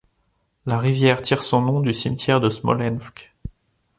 La rivière tire son nom du cimetière de Smolensk.